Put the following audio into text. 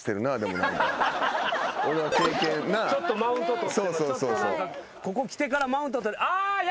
ちょっとマウント取ってちょっと何かここ来てからマウント。